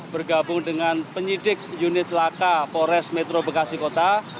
bergabung dengan penyidik unit laka pores metro bekasi kota